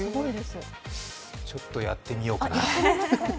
ちょっとやってみようかな。